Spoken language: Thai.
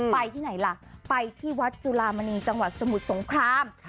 ไปที่ไหนล่ะไปที่วัดจุลามณีจังหวัดสมุทรสงคราม